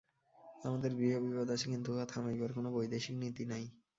আমাদের গৃহবিবাদ আছে, কিন্তু উহা থামাইবার কোন বৈদেশিক নীতি নাই।